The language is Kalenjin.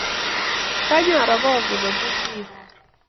Kaany arabakun amu kiiboor